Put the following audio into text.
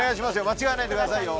間違えないでくださいよ。